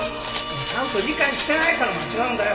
ちゃんと理解してないから間違うんだよ。